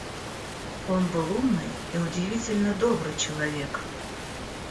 Он был умный и удивительно добрый человек.